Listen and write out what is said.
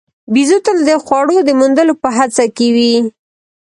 بیزو تل د خوړو د موندلو په هڅه کې وي.